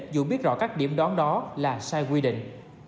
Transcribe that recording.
dù biết rõ các điểm đón đó là sai quy định